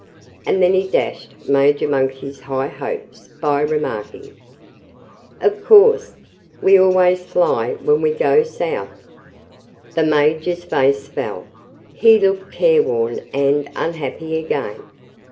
And then he dashed Major Monkey's high hopes by remarking, "Of course, we always fly when we go South." The Major's face fell. He looked careworn and unhappy again.